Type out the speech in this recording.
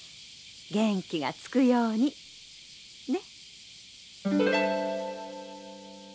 元気がつくように。ね。